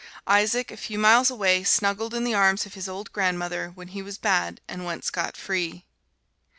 Isaac, a few miles away, snuggled in the arms of his old grandmother when he was bad and went scot free.